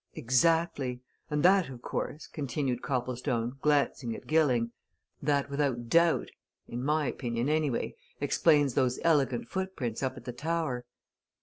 "Exactly. And that of course," continued Copplestone, glancing at Gilling, "that without doubt in my opinion, anyway explains those elegant footprints up at the tower.